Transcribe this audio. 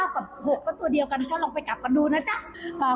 กับ๖ก็ตัวเดียวกันก็ลองไปกลับกันดูนะจ๊ะ